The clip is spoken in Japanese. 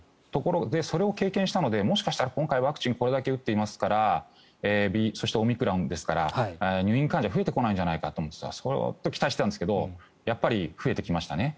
それを経験したのでもしかしたらこれだけ今回はワクチンを打っていますからそしてオミクロンですから入院患者は増えてこないんじゃないかと思っていたんですが期待していたんですがやっぱり増えてきましたね。